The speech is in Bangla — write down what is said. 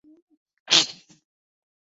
তাইলে বাছা তুমি সঁই করবে না?